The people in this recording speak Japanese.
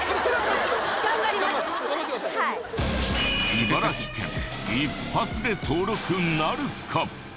茨城県一発で登録なるか？